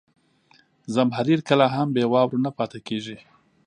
زمهریر کله هم بې واورو نه پاتې کېږي.